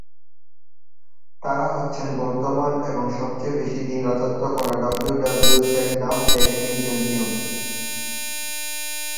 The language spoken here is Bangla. তারা হচ্ছেন বর্তমান এবং সবচেয়ে বেশি দিন রাজত্ব করা WWE SmackDown tag team champion.